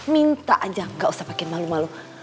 minta aja gak usah pakai malu malu